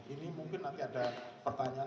ini mungkin nanti ada pertanyaan